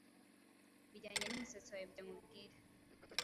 bijyanye n’umusatsi wawe ibyo nkubwira